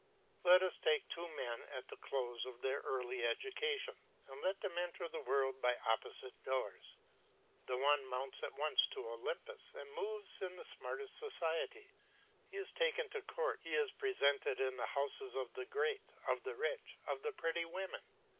Let us take two young men at the close of their early education, and let them enter the world by opposite doors. The one mounts at once to Olympus, and moves in the smartest society; he is taken to court, he is presented in the houses of the great, of the rich, of the pretty women.